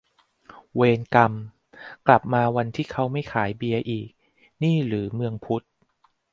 เวรกรรม กลับมาวันที่เขาไม่ขายเบียร์อีก นี่หรือเมืองพุทธ !